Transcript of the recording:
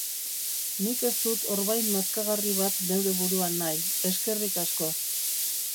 Nik ez dut orbain nazkagarri bat neure buruan nahi, eskerrik asko.